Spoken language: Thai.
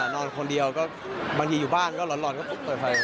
นอนคนเดียวก็บางทีอยู่บ้านก็หลอนก็เปิดไฟ